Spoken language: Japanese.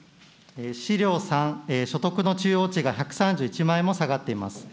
資料３、所得の中央値が１３１万円も下がっています。